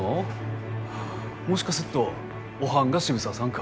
もしかすっとおはんが渋沢さんか？